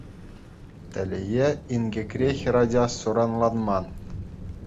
Телее, инкекре хӗрача суранланман.